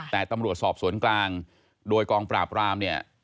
แต่ตำรวจสอบสวนกลางโดยกองปราบรามเนี่ย